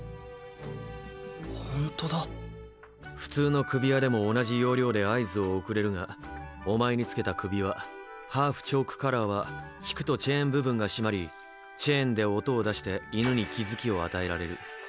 ほんとだ普通の首輪でも同じ要領で合図を送れるがお前につけた首輪「ハーフ・チョーク・カラー」は引くとチェーン部分が締まりチェーンで音を出して犬に気付きを与えられる。